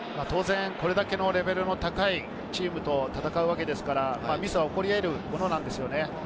これだけレベルの高いチームと戦うわけですから、ミスは起こり得るものなんですよね。